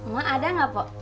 mak ada enggak pok